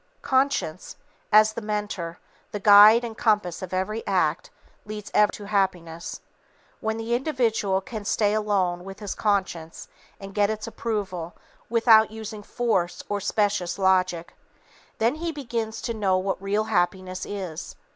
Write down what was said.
Conscience, as the mentor, the guide and compass of every act, leads ever to Happiness. When the individual can stay alone with his conscience and get its approval, without using force or specious logic, then he begins to know what real Happiness is.